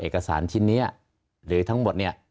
เอกสารชิ้นนี้หรือทั้งหมดเนี่ย